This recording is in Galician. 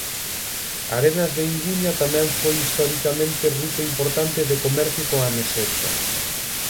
Arenas de Iguña tamén foi historicamente ruta importante de comercio coa meseta.